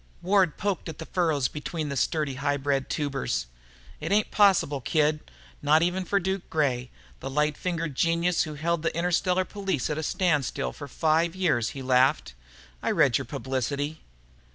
Wade poked at the furrows between the sturdy hybrid tubers. "It ain't possible, kid. Not even for 'Duke' Gray, the 'light fingered genius who held the Interstellar Police at a standstill for five years'." He laughed. "I read your publicity."